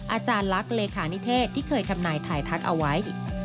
อาจารย์ลักษณ์เลขานิเทศที่เคยทำนายถ่ายทักเอาไว้